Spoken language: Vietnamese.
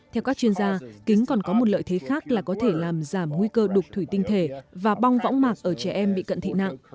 theo các chuyên gia kính còn có một lợi thế khác là có thể làm giảm nguy cơ đục thủy tinh thể và bong võng mạc ở trẻ em bị cận thị nặng